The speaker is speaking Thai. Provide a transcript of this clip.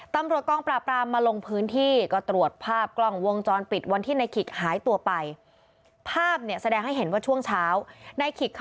ตำรวจกองปราบรามมาลงพื้นที่ก็ตรวจภาพกล้องวงจรปิดวันที่นายขิกหายตัวไป